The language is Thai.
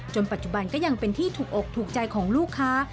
ปัจจุบันก็ยังเป็นที่ถูกอกถูกใจของลูกค้า